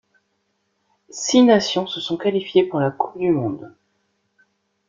Six nations se sont qualifiées pour la Coupe du monde.